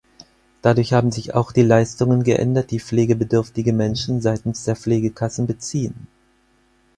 Dadurch haben sich auch die Leistungen geändert, die pflegebedürftige Menschen seitens der Pflegekassen beziehen.